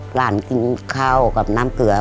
หลานกินข้าวกับน้ำเกลือ